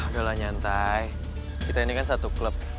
udah lah nyantai kita ini kan satu klub